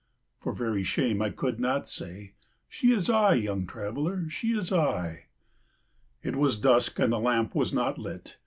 For very shame I could not say, "She is I, young traveller, she is I." It was dusk and the lamp was not lit.